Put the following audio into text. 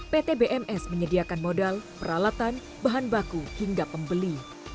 pt bms menyediakan modal peralatan bahan baku hingga pembeli